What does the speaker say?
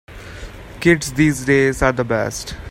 Kids these days are the best.